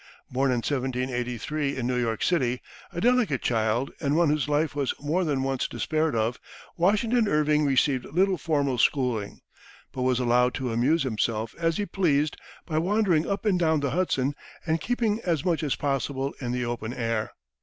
Born in 1783, in New York City, a delicate child and one whose life was more than once despaired of, Washington Irving received little formal schooling, but was allowed to amuse himself as he pleased by wandering up and down the Hudson and keeping as much as possible in the open air.